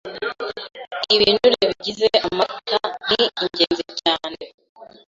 Ibinure bigize amata ni ingenzi cyane